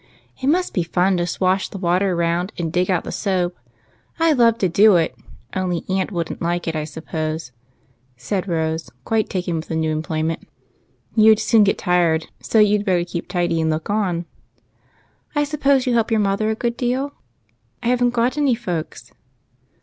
" It must be fun to swash the water round and dig out the soap. I 'd love to do it, only, aunt would n't like it, I suppose," said Rose, quite taken with the new employment. " You 'd soon get tired, so you 'd better keep tidy and look on." "I suppose you help your mother a good deal?" " I have n't got any folks."